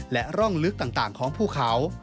และร่องลึกต่างของภูเขา